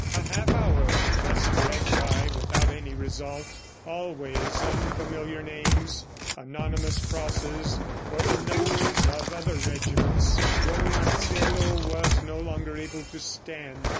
A half hour thus dragged by without any result always unfamiliar names, anonymous crosses or the numbers of other regiments. Don Marcelo was no longer able to stand.